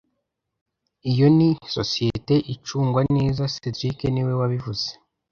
Iyo ni sosiyete icungwa neza cedric niwe wabivuze